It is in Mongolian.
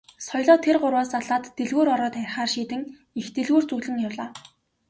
Соёлоо тэр гурваас салаад дэлгүүр ороод харихаар шийдэн их дэлгүүр зүглэн явлаа.